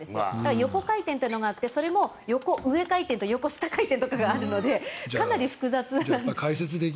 横回転というのがあってそれも横上回転と横下回転とかがあるのでかなり複雑なんです。